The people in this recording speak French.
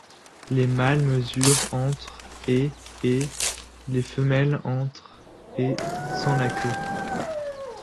Les mâles mesurent entre et et les femelles entre et sans la queue.